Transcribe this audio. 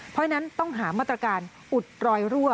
เพราะฉะนั้นต้องหามาตรการอุดรอยรั่ว